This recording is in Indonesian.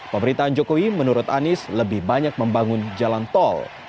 pemerintahan jokowi menurut anies lebih banyak membangun jalan tol